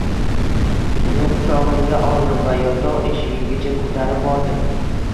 Uni quchog‘imga oldim va yotoq eshigigacha ko‘tarib bordim